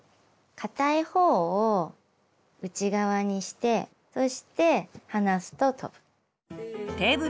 かたい方を内側にしてそして離すと飛ぶ。